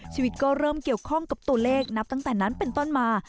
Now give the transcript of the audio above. ชีวิตก็เริ่มเกี่ยวข้องกับตัวเลขนับตั้งแต่นั้นเป็นต้นมา